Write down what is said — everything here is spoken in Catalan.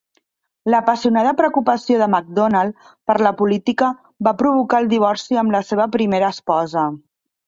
La apassionada preocupació de McDonald per la política va provocar el divorci amb la seva primera esposa.